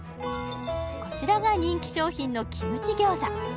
こちらが人気商品のキムチ餃子